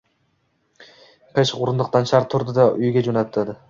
Qiyshiq oʻrindiqdan shart turdi-da, uyiga joʻnadi.